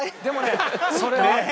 でもねそれね。